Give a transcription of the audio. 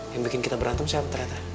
yang bikin kita berantem siapa ternyata